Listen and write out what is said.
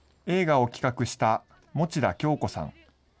映画を企画した持田恭子さん。